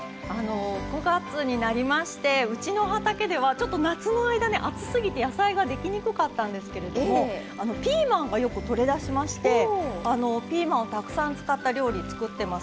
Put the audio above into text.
９月になりましてうちの畑ではちょっと夏の間ね暑すぎて野菜ができにくかったんですけれどもピーマンがよくとれだしましてピーマンをたくさん使った料理作ってます。